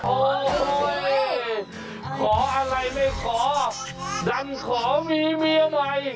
โอ้โหขออะไรไม่ขอดันขอมีเมียใหม่